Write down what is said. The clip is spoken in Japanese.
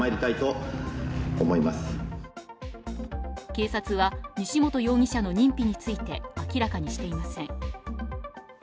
警察は、西本容疑者の認否について明らかにしていません。